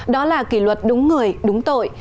đó là kỷ luật đúng người đúng tội